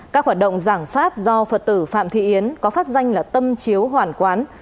các hoạt động giảng pháp do phật tử phạm thị yến có phát danh là tâm chiếu hoàn quán